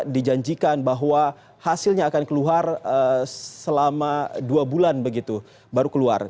dijanjikan bahwa hasilnya akan keluar selama dua bulan begitu baru keluar